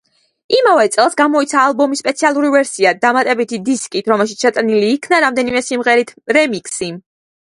იმავე წელს გამოიცა ალბომის სპეციალური ვერსია, დამატებითი დისკით, რომელშიც შეტანილი იქნა რამდენიმე სიმღერის რემიქსი.